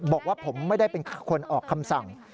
บอกว่าผมไม่ได้เป็นคนออกคำสั่ง